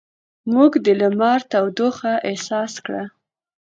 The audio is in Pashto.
موږ د لمر تودوخه احساس کړه.